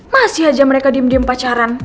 masih aja mereka diem diem pacaran